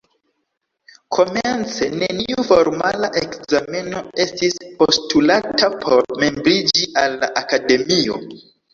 Komence neniu formala ekzameno estis postulata por membriĝi al la Akademio.